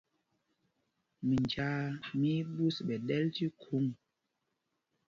Minjāā mí í ɓǔs ɓɛ̌ ɗɛ̄l tí khuŋ.